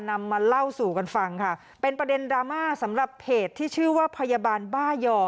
นำมาเล่าสู่กันฟังค่ะเป็นประเด็นดราม่าสำหรับเพจที่ชื่อว่าพยาบาลบ้าย่อ